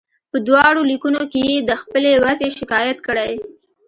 په دواړو لیکونو کې یې د خپلې وضعې شکایت کړی.